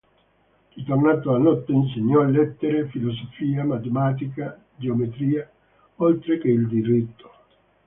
Ritornato a Noto insegnò lettere, filosofia, matematica, geometria oltre che il diritto.